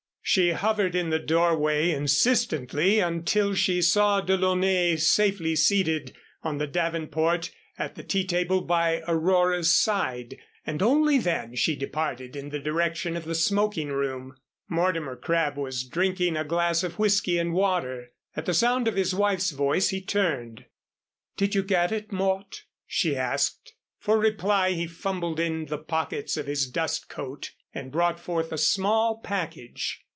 She hovered in the doorway insistently until she saw DeLaunay safely seated on the davenport at the tea table by Aurora's side, and only then she departed in the direction of the smoking room. Mortimer Crabb was drinking a glass of whiskey and water. At the sound of his wife's voice he turned. "Did you get it, Mort?" she asked. For reply he fumbled in the pockets of his dust coat and brought forth a small package.